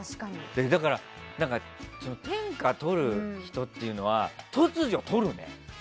だから、天下取る人って突如取るね。